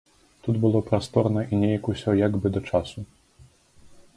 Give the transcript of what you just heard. Тут было прасторна і нейк усё як бы да часу.